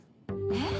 えっ？